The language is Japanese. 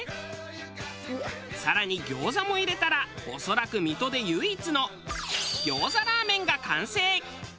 更に餃子も入れたら恐らく水戸で唯一の餃子ラーメンが完成。